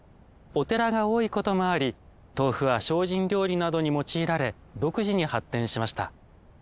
お寺が多いこともあり豆腐は精進料理などに用いられ独自に発展しました。